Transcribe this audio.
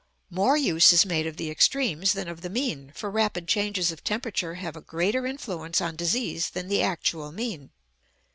More use is made of the extremes than of the mean, for rapid changes of temperature have a greater influence on disease than the actual mean.